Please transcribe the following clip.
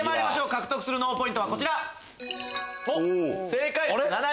獲得する脳ポイントはこちら。